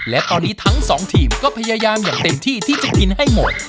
และตอนนี้ทั้งสองทีมก็พยายามอย่างเต็มที่ที่จะกินให้หมด